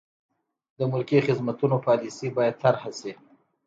د ملکي خدمتونو پالیسي باید طرحه شي.